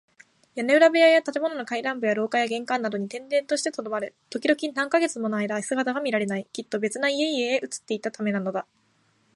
屋根裏部屋や建物の階段部や廊下や玄関などに転々としてとどまる。ときどき、何カ月ものあいだ姿が見られない。きっと別な家々へ移っていったためなのだ。